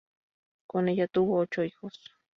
Con ella tuvo ocho hijos.